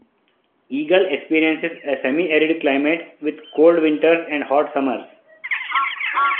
Eagle experiences a semi-arid climate with cold winters and hot summers.